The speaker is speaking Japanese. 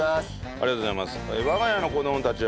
ありがとうございます。